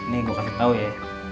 nih gue kasih tau ya